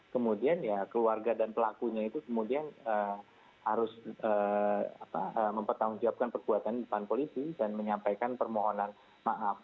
kemudian ya keluarga dan pelakunya itu kemudian harus mempertanggungjawabkan perbuatan di depan polisi dan menyampaikan permohonan maaf